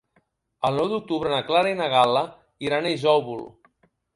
El nou d'octubre na Clara i na Gal·la iran a Isòvol.